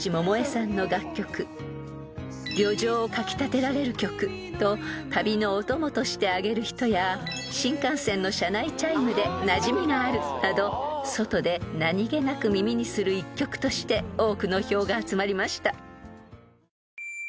［「旅情をかき立てられる曲」と旅のお供として挙げる人や「新幹線の車内チャイムでなじみがある！」など外で何げなく耳にする一曲として多くの票が集まりました］